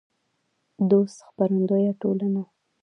دوست خپرندویه ټولنه